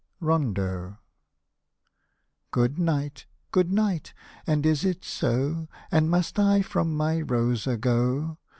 RONDEAU " Good night ! good night !"— And is it so ? And must I from my Rosa go